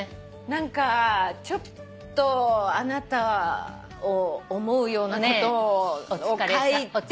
何かちょっとあなたを思うようなことを書いて。